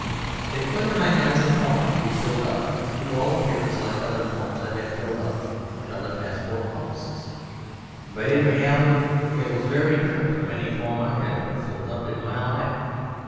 They put in my hands a form to be filled up, to all appearance like other forms I had filled up in other passport offices. But in reality it was very different from any form I had ever filled up in my life.